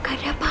gak ada apa